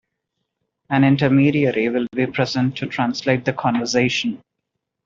An intermediary will be present to translate the conversation.